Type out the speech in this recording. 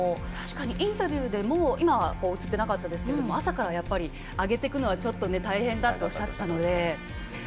インタビューでも今は映っていませんでしたが朝から上げていくのはちょっと大変だとおっしゃっていたので。